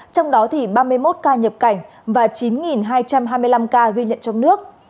trong đó thì ba mươi một ca nhập cảnh và chín hai trăm hai mươi năm ca ghi nhận trong nước